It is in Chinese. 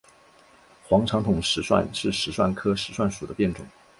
黄长筒石蒜是石蒜科石蒜属的变种。